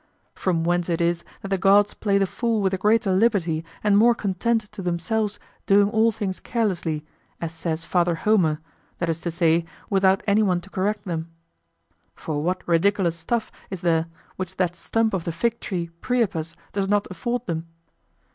From whence it is that the gods play the fool with the greater liberty and more content to themselves "doing all things carelessly," as says Father Homer, that is to say, without anyone to correct them. For what ridiculous stuff is there which that stump of the fig tree Priapus does not afford them?